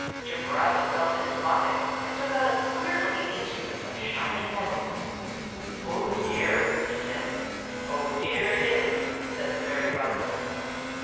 "Chimborazo felt in his pocket, and took out a queer looking instrument of shining metal. 'Oh, dear!' he said. "'"Oh, dear!" it is!' said the fairy godmother.